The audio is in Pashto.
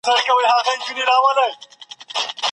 پښتو ژبه زموږ د وياړ ژبه ده.